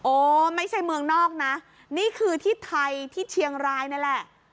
โอ้ไม่ใช่เมืองนอกนะนี่คือที่ไทยที่เชียงรายนั่นแหละ